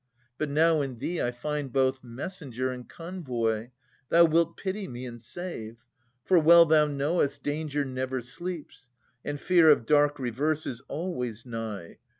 But now in thee I find both messenger And convoy, thou wilt pity me and save. For, well thou knowest, danger never sleeps. And fear of dark reverse is always nigh.